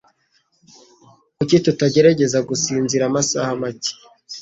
Kuki tutagerageza gusinzira amasaha make.